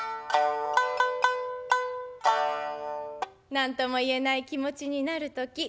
何とも言えない気持ちになる時。